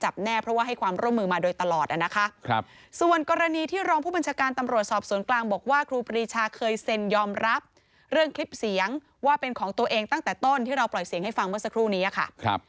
ส่วนกรณีที่รองผู้บัญชาการตำรวจสอบสวนกลางบอกว่าครูปีชาเคยเซ็นยอมรับเรื่องคลิปเสียงว่าเป็นของตัวเองตั้งแต่ต้นที่เราปล่อยเสียงให้ฟังเมื่อสักครู่นี้ค่ะ